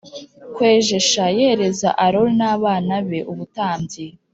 kwejesha yereza Aroni n abana be ubutambyi